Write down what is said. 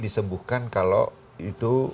disembuhkan kalau itu